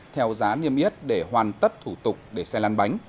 theo giá niêm yết để hoàn tất thủ tục để xe lan bánh